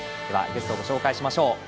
ではゲストをご紹介しましょう。